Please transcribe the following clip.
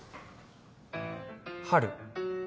春。